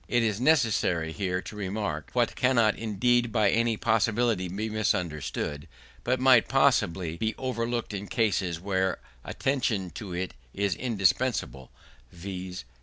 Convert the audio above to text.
It is necessary here to remark, what cannot indeed by any possibility be misunderstood, but might possibly be overlooked in cases where attention to it is indispensable, viz.